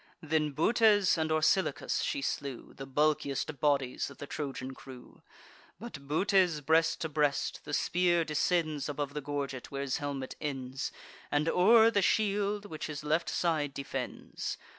Then Butes and Orsilochus she slew, The bulkiest bodies of the Trojan crew; But Butes breast to breast: the spear descends Above the gorget, where his helmet ends, And o'er the shield which his left side defends.